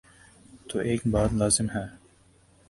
تو ایک بات لازم ہے۔